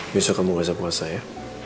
besok kamu berasa puasa ya